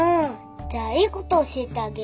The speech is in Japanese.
じゃいいこと教えてあげる。